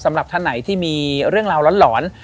สำหรับท่านไหนที่มีเรื่องราวหลอน